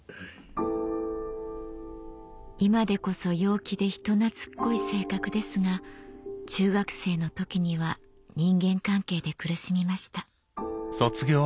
今でこそ陽気で人懐っこい性格ですが中学生の時には人間関係で苦しみました